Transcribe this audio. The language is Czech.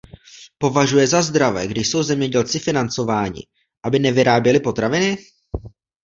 Považuje za zdravé, když jsou zemědělci financováni, aby nevyráběli potraviny?